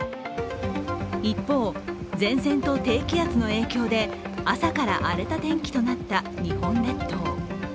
一方、前線と低気圧の影響で朝から荒れた天気となった日本列島。